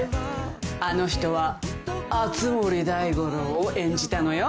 あの人は熱護大五郎を演じたのよ。